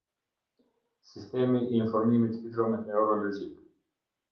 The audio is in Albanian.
Sistemi i informimit hidrometeorologjik.